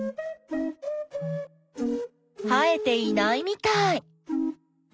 生えていないみたい。